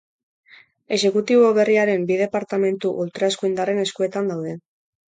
Exekutibo berriaren bi departamentu ultraeskuindarren eskuetan daude.